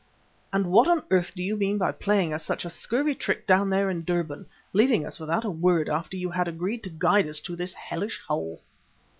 And what on earth do you mean by playing us such a scurvy trick down there in Durban, leaving us without a word after you had agreed to guide us to this hellish hole?"